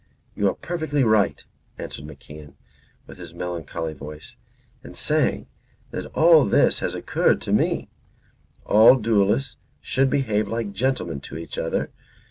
"You are perfectly right," answered MacIan, with his melancholy voice, "in saying that all this has occurred to me. All duellists should behave like gentlemen to each other.